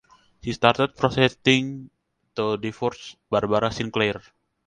He started proceedings to divorce Barbara Sinclair.